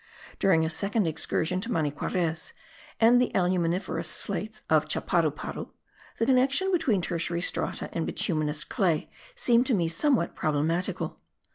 During a second excursion to Maniquarez and the aluminiferous slates of Chaparuparu, the connexion between tertiary strata and bituminous clay seemed to me somewhat problematical.